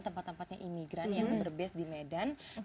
tempat tempatnya imigran yang berbase di medan